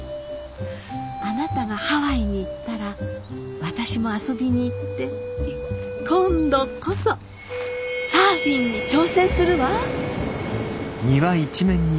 あなたがハワイに行ったら私も遊びに行って今度こそサーフィンに挑戦するわ」。